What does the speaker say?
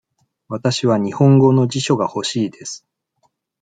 わたしは日本語の辞書が欲しいです。